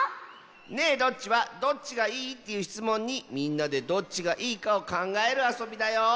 「ねえどっち？」は「どっちがいい？」というしつもんにみんなでどっちがいいかをかんがえるあそびだよ！